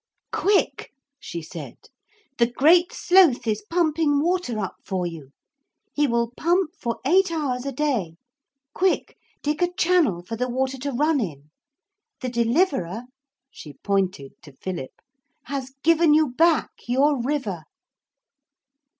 'Quick!' she said; 'the Great Sloth is pumping water up for you. He will pump for eight hours a day. Quick! dig a channel for the water to run in. The Deliverer,' she pointed to Philip, 'has given you back your river.'